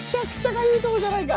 かゆいところじゃないか。